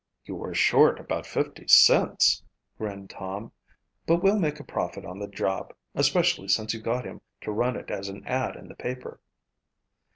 "You were short about fifty cents," grinned Tom, "but we'll make a profit on the job, especially since you got him to run it as an ad in the paper."